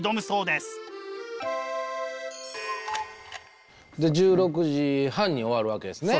で１６時半に終わるわけですね。